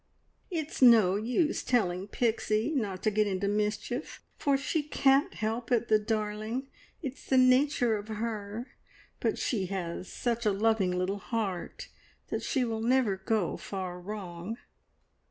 "It's no use telling Pixie not to get into mischief, for she can't help it, the darling! It's the nature of her, but she has such a loving little heart that she will never go far wrong."